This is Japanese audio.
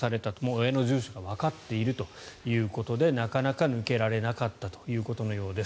親の住所がわかっているということでなかなか抜けられなかったということのようです。